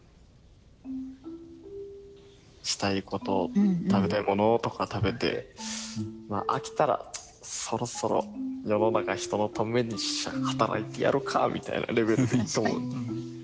したいこと食べたいものとか食べて飽きたらそろそろ世の中人のために働いてやるかみたいなレベルでいいと思う。